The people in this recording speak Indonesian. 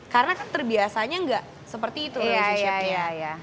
karena kan terbiasanya gak seperti itu relationship nya